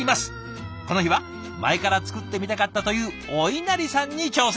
この日は前から作ってみたかったというおいなりさんに挑戦！